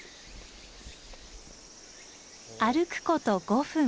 歩くこと５分。